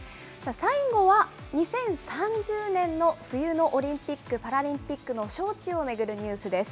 最後は２０３０年の冬のオリンピック・パラリンピックの招致を巡るニュースです。